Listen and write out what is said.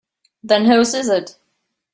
Then whose is it?